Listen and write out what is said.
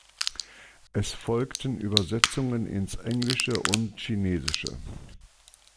Es folgten Übersetzungen ins Englische und Chinesische.